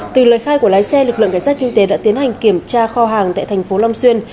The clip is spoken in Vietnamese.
từ lời khai của lái xe lực lượng cảnh sát kinh tế đã tiến hành kiểm tra kho hàng tại thành phố long xuyên